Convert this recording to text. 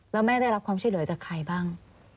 แล้วแม่ได้รับความช่วยเหลือจากใครบ้าง